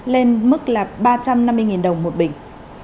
lên mức là ba trăm năm mươi đồng một bình